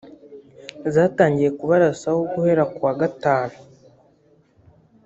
zatangiye kubarasaho guhera ku wa Gatanu